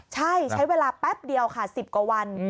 ใช่ใช้เวลาแป๊บเดียวค่ะ๑๐กว่าวัน